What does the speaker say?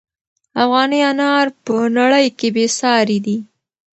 افغاني انار په نړۍ کې بې ساري دي.